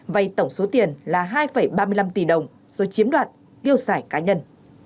vây tổng số tiền là hai ba mươi năm tỷ đồng rồi chiếm đoạt điều xảy cá nhân